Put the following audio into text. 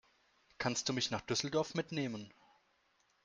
Kannst du mich nach Düsseldorf mitnehmen?